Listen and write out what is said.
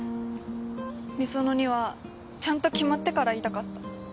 美園にはちゃんと決まってから言いたかった。